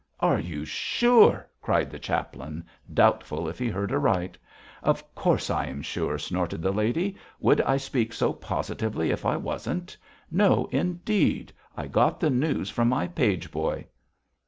'Are you sure!' cried the chaplain, doubtful if he heard aright. 'Of course I am sure,' snorted the lady. 'Would I speak so positively if I wasn't? No, indeed. I got the news from my page boy.'